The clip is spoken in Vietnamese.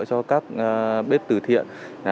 cho các bếp từ thiện